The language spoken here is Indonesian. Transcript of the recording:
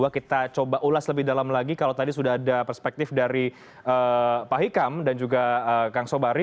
kita coba ulas lebih dalam lagi kalau tadi sudah ada perspektif dari pak hikam dan juga kang sobari